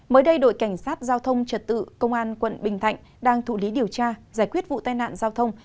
mới đây đội cảnh sát giao thông trật tự công an quận bình thạnh đang thụ lý điều tra giải quyết vụ tai nạn giao thông